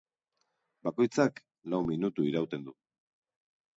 Bakoitzak lau minutu irauten du.